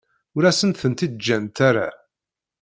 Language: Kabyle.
Ur asen-tent-id-ǧǧant ara.